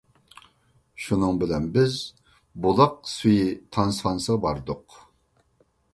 شۇنىڭ بىلەن بىز بۇلاق سۈيى تانسىخانىسىغا باردۇق.